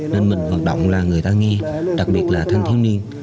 nên mình vận động là người ta nghe đặc biệt là thanh thiếu niên